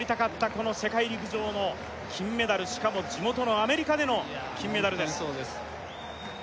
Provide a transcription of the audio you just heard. この世界陸上の金メダルしかも地元のアメリカでの金メダルですいや